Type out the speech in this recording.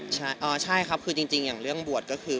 ใช่ครับคือจริงอย่างเรื่องบวชก็คือ